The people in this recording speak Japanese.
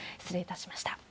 失礼いたしました。